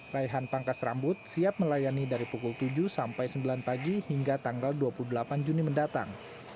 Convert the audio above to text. raihan pangkas rambut siap melayani dari pukul tujuh sampai sembilan pagi hingga tanggal dua puluh delapan juni mendatang